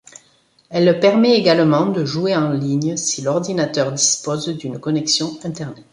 Elle permet également de jouer en ligne si l'ordinateur dispose d'une connexion Internet.